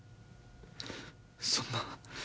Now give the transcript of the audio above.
そんな。